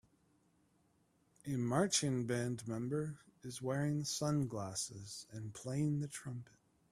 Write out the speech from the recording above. A marching band member is wearing sunglasses and playing the trumpet.